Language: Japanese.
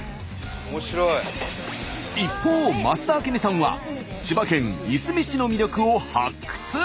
一方増田明美さんは千葉県いすみ市の魅力を発掘！